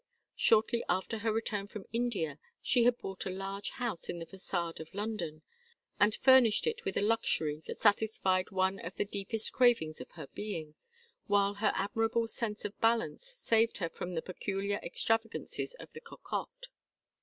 Shortly after her return from India she had bought a large house in the façade of London, and furnished it with a luxury that satisfied one of the deepest cravings of her being, while her admirable sense of balance saved her from the peculiar extravagances of the cocotte.